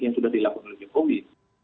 yang sudah dilakukan oleh jokowi